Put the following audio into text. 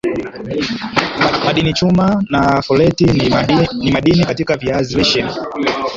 madini chuma na foleti ni madini katika viazi lishe